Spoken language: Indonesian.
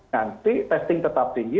nanti testing tetap tinggi